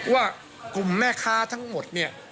ว่ากลุ่มแม่ค้าทั้งหมดเนี่ย